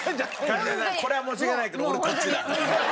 一茂さんこれは申し訳ないけど俺こっちだ。